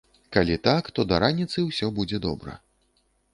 Калі так, то да раніцы ўсё будзе добра.